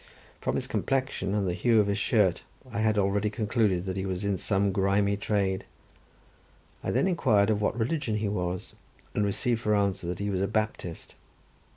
From his complexion, and the hue of his shirt, I had already concluded that he was in some grimy trade. I then inquired of what religion he was, and received for answer that he was a Baptist.